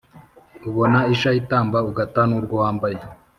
ubona isha itamba ugata nurwo wambaye